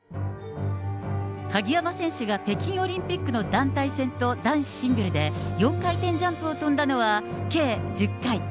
鍵山選手が北京オリンピックの団体戦と男子シングルで４回転ジャンプを跳んだのは計１０回。